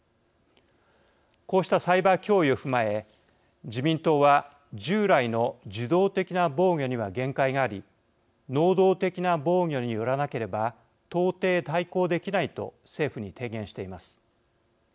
こうしたサイバー脅威を踏まえ自民党は従来の受動的な防御には限界があり能動的な防御によらなければ到底対抗できないと政府に提言しています。